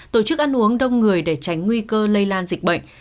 tổ chức ăn uống đông người để tránh nguy cơ lây lan dịch bệnh